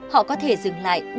họ có thể dừng lại